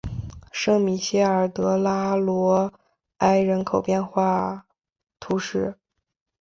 圣米歇尔德拉罗埃人口变化图示